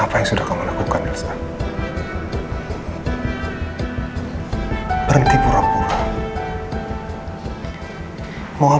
apa yang sudah kamu lakukan nielsa